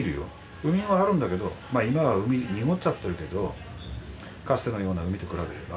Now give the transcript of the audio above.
海はあるんだけど今は海濁っちゃってるけどかつてのような海と比べれば。